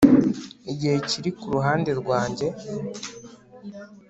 igihe kiri kuruhande rwanjye